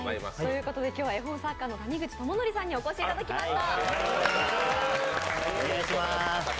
今日は、絵本作家の谷口智則さんにお越しいただきました。